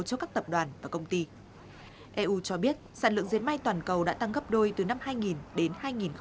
cho các tập đoàn và công ty eu cho biết sản lượng diệt may toàn cầu đã tăng gấp đôi từ năm hai nghìn đến hai nghìn một mươi